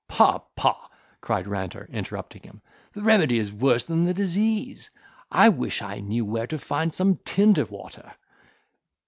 "Pah, pah!" cried Ranter, interrupting him, "the remedy is worse than the disease—I wish I knew where to find some tinder water."